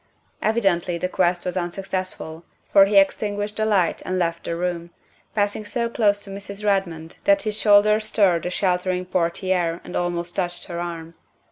Evidently the quest was unsuccessful, for he extin guished the light and left the room, passing so close to Mrs. Redmond that his shoulder stirred the sheltering portiere and almost touched her arm.